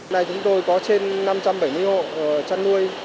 nay chúng tôi có trên năm trăm bảy mươi hộ chăn nuôi